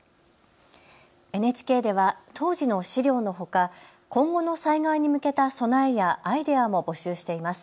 ＮＨＫでは当時の資料のほか今後の災害に向けた備えやアイデアも募集しています。